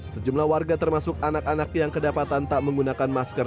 sejumlah warga termasuk anak anak yang kedapatan tak menggunakan masker